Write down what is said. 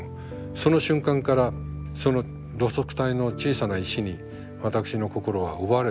その瞬間からその路側帯の小さな石に私の心は奪われてしまった。